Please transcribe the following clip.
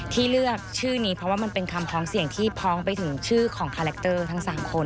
ที่เลือกชื่อนี้เพราะว่ามันเป็นคำพ้องเสี่ยงที่พ้องไปถึงชื่อของคาแรคเตอร์ทั้ง๓คน